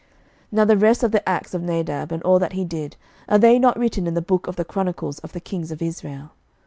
11:015:031 Now the rest of the acts of Nadab, and all that he did, are they not written in the book of the chronicles of the kings of Israel?